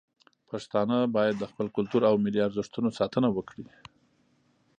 پښتانه باید د خپل کلتور او ملي ارزښتونو ساتنه وکړي.